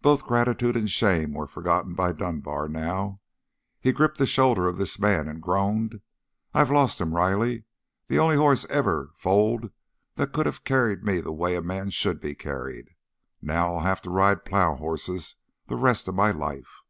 Both gratitude and shame were forgotten by Dunbar now. He gripped the shoulder of this man and groaned, "I've lost him, Riley! The only horse ever foaled that could have carried me the way a man should be carried. Now I'll have to ride plow horses the rest of my life!"